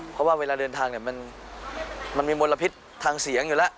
เพราะว่าเวลาเดินทางมันมีมลพิษทางเสียงอยู่แล้ว